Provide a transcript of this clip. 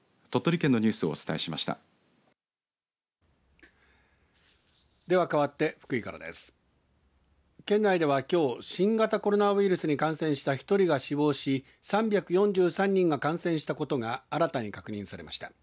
県内ではきょう新型コロナウイルスに感染した１人が死亡し３４３人が感染したことが新たに確認されました。